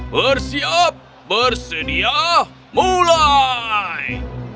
bersiap bersedia mulai